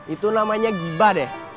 itu namanya giba deh